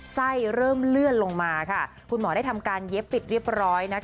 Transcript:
เริ่มเลื่อนลงมาคุณหมอได้ทำการเย็บปิดเรียบร้อย